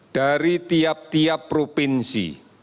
dari tiap tiap provinsi